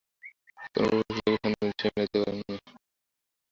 কোনো পূর্বপরিচিত লোকের সন্ধান সে মিলাইতে পারে নাই।